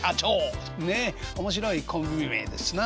ねえ面白いコンビ名ですな。